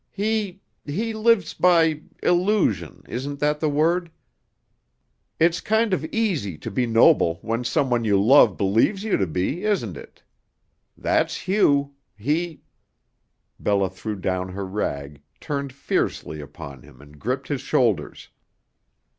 He he lives by illusion isn't that the word? It's kind of easy to be noble when some one you love believes you to be, isn't it? That's Hugh; he " Bella threw down her rag, turned fiercely upon him and gripped his shoulders.